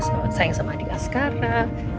sayang sama adik askaran